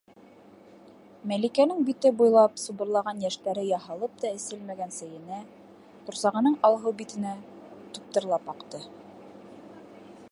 Мәликәнең бите буйлап субырлаған йәштәре яһалып та эселмәгән сәйенә, ҡурсағының алһыу битенә туптырлап аҡты.